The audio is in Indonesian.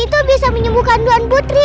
mutiara shakti itu bisa menyembuhkan doan putri